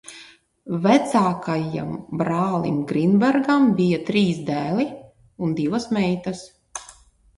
Vecākajam brālim Grīnbergam bija trīs dēli un divas meitas.